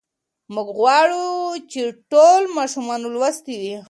موږ غواړو چې ټول ماشومان لوستي وي.